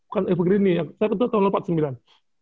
saya ketemu tahun empat puluh sembilan